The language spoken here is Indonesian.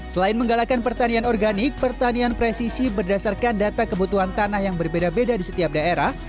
selain menggalakkan pertanian organik pertanian presisi berdasarkan data kebutuhan tanah yang berbeda beda di setiap daerah